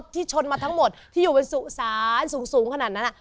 ที่ชนมาทั้งหมดที่อยู่เป็นสุสานสูงขนาดนั้น